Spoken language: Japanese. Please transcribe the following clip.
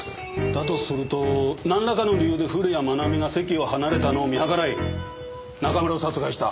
だとするとなんらかの理由で古谷愛美が席を離れたのを見計らい中村を殺害した。